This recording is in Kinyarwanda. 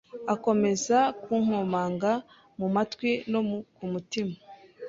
akomeza kunkomanga mu matwi no ku mutima